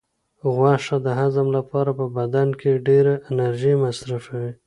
غوښه د هضم لپاره په بدن کې ډېره انرژي مصرفوي.